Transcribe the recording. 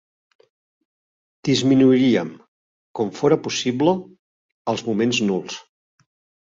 Disminuiríem, com fóra possible, els moments nuls.